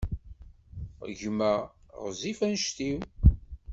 Gma ɣezzif anect-iw.